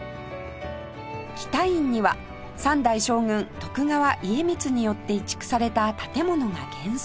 喜多院には３代将軍徳川家光によって移築された建物が現存